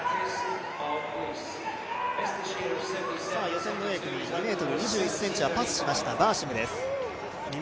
予選のＡ組、２ｍ２１ｃｍはパスしました、バーシムです。